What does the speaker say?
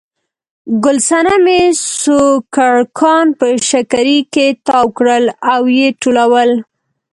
ګل صنمې سوکړکان په شکري کې تاو کړل او یې ټولول.